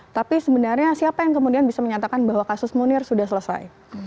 tapi sebenarnya siapa yang kemudian bisa menyatakan bahwa kasus munir sudah selesai